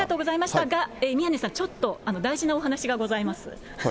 が、宮根さん、ちょっと大事なお話がございます。